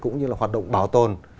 cũng như hoạt động bảo tồn